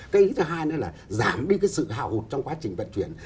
cái ý thứ hai nữa là giảm đi cái sự hào hụt trong quá trình vận chuyển